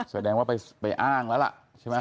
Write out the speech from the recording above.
แสดงว่าไปอ้างแล้วล่ะใช่ไหม